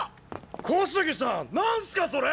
小杉さんなんすかそれ！